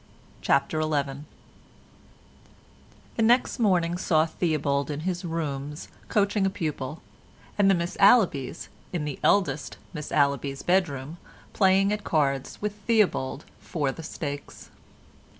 CHAPTER XI The next morning saw Theobald in his rooms coaching a pupil, and the Miss Allabys in the eldest Miss Allaby's bedroom playing at cards with Theobald for the stakes.